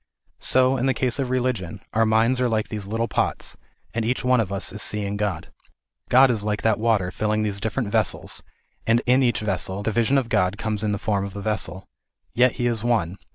So, in the case of religion, our minds are like these little pots, and each one of us is seeing God. God is like that water filling these different vessels, and in each vessel the vision of God comes in the form of the vessel. Yet He is one.